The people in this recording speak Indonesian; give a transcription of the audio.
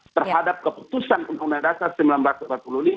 terhadap keputusan undang undang dasar seribu sembilan ratus empat puluh lima